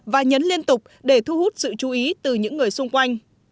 và nhấn liên tục để thu hút sự chú ý từ những người xung quanh